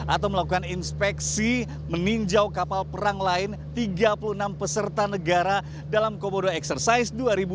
atau melakukan inspeksi meninjau kapal perang lain tiga puluh enam peserta negara dalam komodo eksersis dua ribu dua puluh